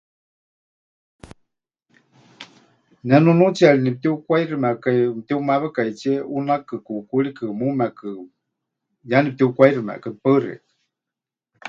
Ne nunuutsiyari nepɨtiukwaiximekai mɨtiumawekaitsie ʼunakɨ, kuukurikɨ, muumekɨ, ya nepɨtiukwaiximekai. Paɨ xeikɨ́a.